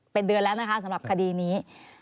เป็นเดือนแล้วนะคะสำหรับคดีนี้